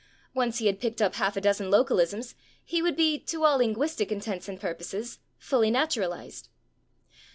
Once he had picked up half a dozen localisms, he would be, to all linguistic intents and purposes, fully naturalized.